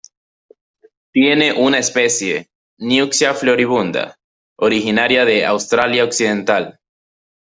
Tiene una especie, Nuytsia floribunda, originaria de Australia Occidental.